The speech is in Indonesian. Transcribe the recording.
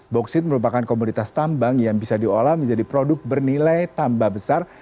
boksit merupakan komoditas tambang yang bisa diolah menjadi produk bernilai tambah besar